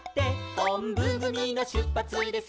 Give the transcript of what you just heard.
「おんぶぐみのしゅっぱつです」